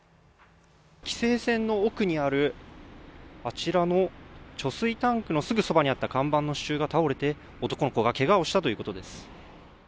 規制線の奥にあるあちらの貯水タンクのすぐそばにあった看板の支柱が倒れて、男の子がけがをしたということです。